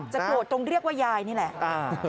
โกรธตรงเรียกว่ายายนี่แหละ